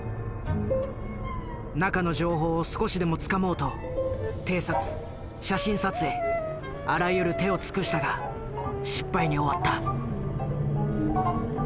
中の情報を少しでもつかもうと偵察写真撮影あらゆる手を尽くしたが失敗に終わった。